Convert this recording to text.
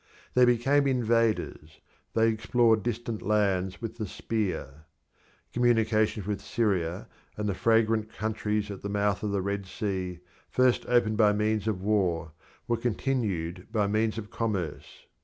They became invaders; they explored distant lands with the spear. Communications with Syria and the fragrant countries at the mouth of the Red Sea, first opened by means of war, were continued by means of commerce.